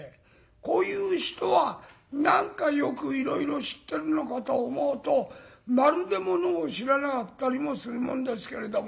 こういう人は何かよくいろいろ知ってるのかと思うとまるでものを知らなかったりもするもんですけれども。